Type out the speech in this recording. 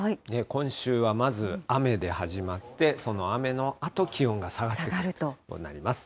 今週はまず雨で始まって、その雨のあと、気温が下がってくるということになります。